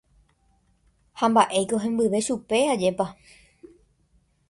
Ha mba'éiko hembyve chupe, ajépa.